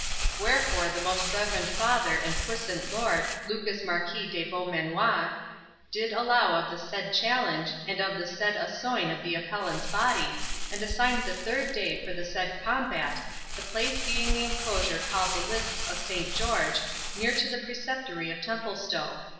Wherefore the most reverend Father and puissant Lord, Lucas Marquis of Beaumanoir, did allow of the said challenge, and of the said 'essoine' of the appellant's body, and assigned the third day for the said combat, the place being the enclosure called the lists of Saint George, near to the Preceptory of Templestowe.